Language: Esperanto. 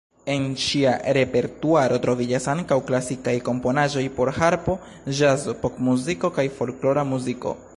En ŝia repertuaro troviĝas ankaŭ klasikaj komponaĵoj por harpo, ĵazo, popmuziko kaj folklora muziko.